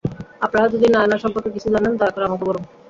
আপনারা যদি নায়না সম্পর্কে কিছু জানেন, -দয়া করে আমাদের বলুন।